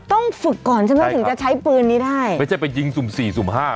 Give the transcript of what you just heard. ต้องฝึกก่อนใช่ไหมถึงจะใช้ปืนนี้ได้ไม่ใช่ไปยิงสุ่มสี่สุ่มห้า